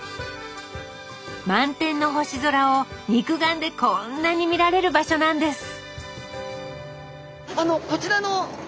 満天の星空を肉眼でこんなに見られる場所なんです。